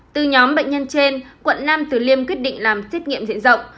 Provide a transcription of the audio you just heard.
từ nhóm bệnh nhân trên quận nam từ liêm quyết định làm xét nghiệm diện rộng